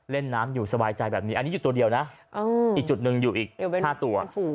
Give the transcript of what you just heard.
เล่นน้ำอยู่สบายใจแบบนี้อันนี้อยู่ตัวเดียวนะอีกจุดหนึ่งอยู่อีก๕ตัว